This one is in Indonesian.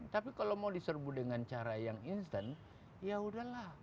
tapi kalau mau diserbu dengan cara yang instan ya udahlah